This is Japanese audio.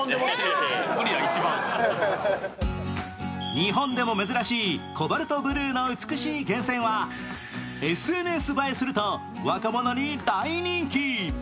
日本でも珍しいコバルトブルーの美しい源泉はＳＮＳ映えすると若者に大人気。